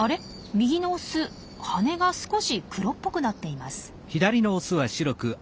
右のオス羽が少し黒っぽくなっています。